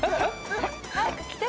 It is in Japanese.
早く着て。